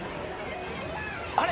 あれ？